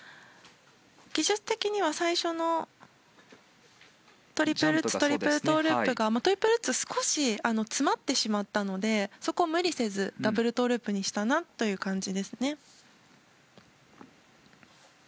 技術的には最初のトリプルルッツトリプルトウループがトリプルルッツが少し詰まってしまったのでそこを無理せずダブルトウループにしたという感じですね。